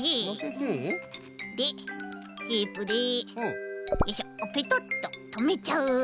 でテープでよいしょペトッととめちゃう。